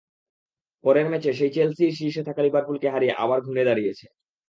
পরের ম্যাচে সেই চেলসিই শীর্ষে থাকা লিভারপুলকে হারিয়ে আবার ঘুরে দাঁড়িয়েছে।